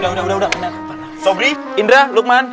udah udah sobrie indra lukman